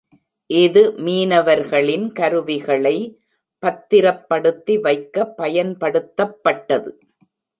இது மீனவர்களின் கருவிகளை பத்திரப்படுத்தி வைக்க பயன்படுத்தப்பட்டது.